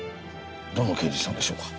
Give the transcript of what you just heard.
どの刑事さんでしょうか？